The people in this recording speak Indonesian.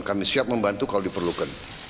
kami siap membantu kalau diperlukan